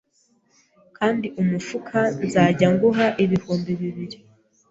kandi umufuka nzajya nguha ibihumbi bibiri